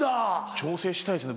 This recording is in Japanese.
挑戦したいですね